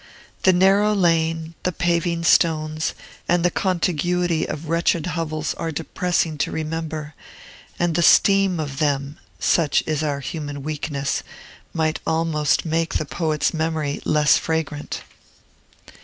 The narrow lane, the paving stones, and the contiguity of wretched hovels are depressing to remember; and the steam of them (such is our human weakness) might almost make the poet's memory less fragrant.